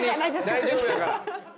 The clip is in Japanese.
大丈夫やから。